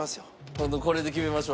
今度これで決めましょう。